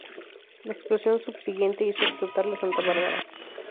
La explosión subsiguiente hizo explotar la santabárbara.